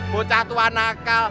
bocah tua nakal